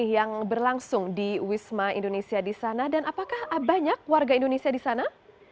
yang berlangsung di wisma indonesia di sana dan apakah banyak warga indonesia di sana